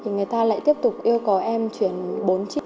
người ta lại tiếp tục yêu cầu em chuyển bốn triệu